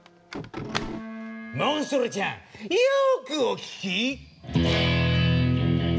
モンストロちゃんよくお聴き！